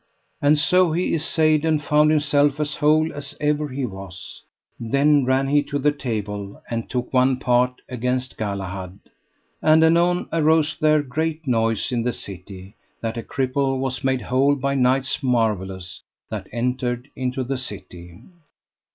And so he assayed, and found himself as whole as ever he was. Than ran he to the table, and took one part against Galahad. And anon arose there great noise in the city, that a cripple was made whole by knights marvellous that entered into the city.